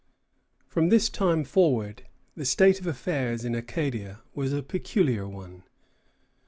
From this time forward the state of affairs in Acadia was a peculiar one.